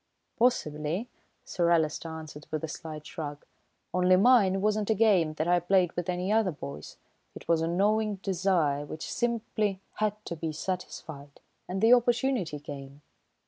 "Possibly," Sir Alister answered with a slight shrug, "only mine wasn't a game that I played with any other boys, it was a gnawing desire, which simply had to be satisfied; and the opportunity came.